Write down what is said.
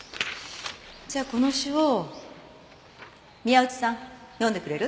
じゃあこの詩を宮内さん読んでくれる？